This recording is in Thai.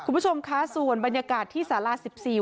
คุณผู้ชมคะส่วนบรรยากาศที่สารา๑๔